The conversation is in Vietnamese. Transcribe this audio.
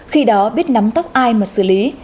khi đó biết nắm tóc ai mà xử lý